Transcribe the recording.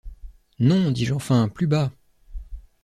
Non, dis-je enfin, plus bas!